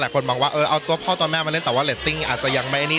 คนมองว่าเออเอาตัวพ่อตัวแม่มาเล่นแต่ว่าเรตติ้งอาจจะยังไม่นี่